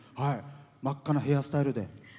真っ赤なヘアスタイルで。